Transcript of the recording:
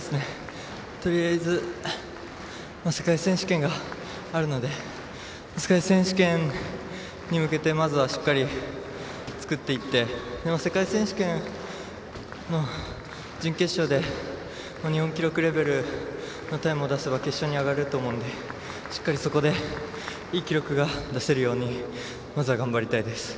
とりあえず、世界選手権があるので世界選手権に向けてまずはしっかり作っていって世界選手権の準決勝で日本記録レベルのタイムを出せば決勝に上がれると思うのでしっかり、そこでいい記録が出せるようにまずは頑張りたいです。